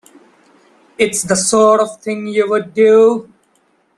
It's the sort of thing you would do.